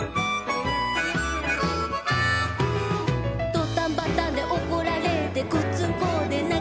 「どったんばったんでおこられてごっつんこでなきべそで」